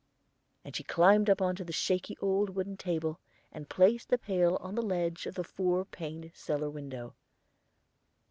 And she climbed up on the shaky old wooden table, and placed the pail on the ledge of the four paned cellar window.